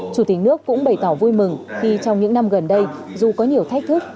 chủ tịch nước cũng bày tỏ vui mừng khi trong những năm gần đây dù có nhiều thách thức